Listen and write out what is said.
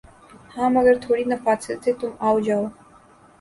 ہاں مگر تھوڑی نفاست سے تُم آؤجاؤ